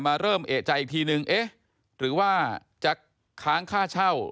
เริ่มเอกใจอีกทีนึงเอ๊ะหรือว่าจะค้างค่าเช่า